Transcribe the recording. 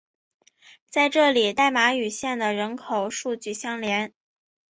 在这里代码与县的人口数据相连。